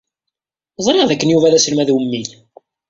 Ẓriɣ dakken Yuba d aselmad ummil.